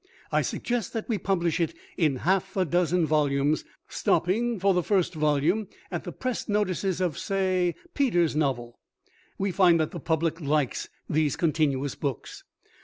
I suggest that we publish it in half a dozen volumes, stopping, for the first volume, at the Press notices of (say) Peter's novel. We find that the public likes these continuous books.